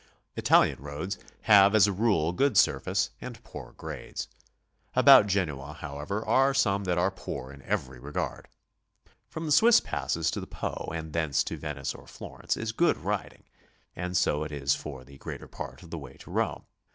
Italian roads have as a rule good surface and poor grades. About Genoa, however, are some that are poor in every regard. From the Swiss passes to the Po, and thence to Venice or Florence is good riding, and so it is for the greater part of the way to Rome.